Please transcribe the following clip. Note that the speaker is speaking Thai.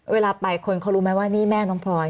เวลาไปคนเขารู้ไหมว่านี่แม่น้องพลอย